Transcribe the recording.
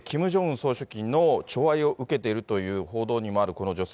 総書記の寵愛を受けているという報道にもあるこの女性。